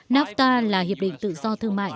napta là hiệp định tự do thương mại